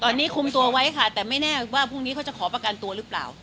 ตอนนี้คุมตัวไว้ค่ะแต่ไม่แน่ว่าพรุ่งนี้เขาจะขอประกันตัวหรือเปล่า